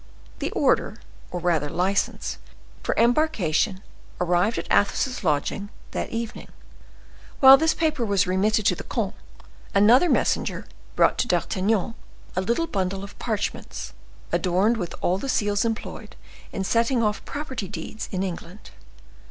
The order, or rather license, for their embarkation, arrived at Athos's lodgings that evening. While this paper was remitted to the comte, another messenger brought to D'Artagnan a little bundle of parchments, adorned with all the seals employed in setting off property deeds in England.